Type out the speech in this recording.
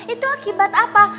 itu akibat apa